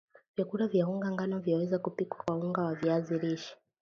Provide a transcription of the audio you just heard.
vyakula vya unga ngano vyaweza kupikwa kwa unga wa viazi lishe